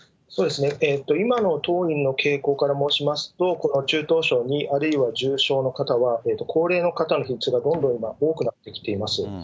今の当院の傾向からしますと、ここの中等症２、あるいは重症の、高齢の方の比率がどんどん今、多くなってきています。